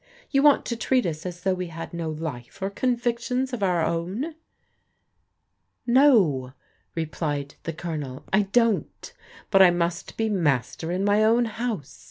You want to treat us as though we had no life or convictions of our own?" " No," replied the Colonel, " I don't ; but I must be master in my own house.